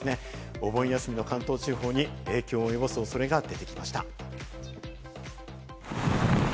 お盆休みの関東地方に影響を及ぼす恐れが出てきました。